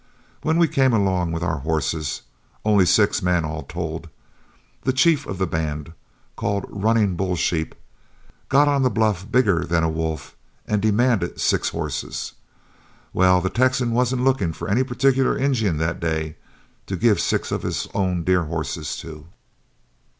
When we came along with our horses only six men all told the chief of the band, called Running Bull Sheep, got on the bluff bigger than a wolf and demanded six horses. Well, that Texan wasn't looking for any particular Injun that day to give six of his own dear horses to.